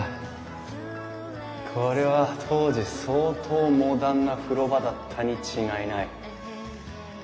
これは当時相当モダンな風呂場だったに違いない。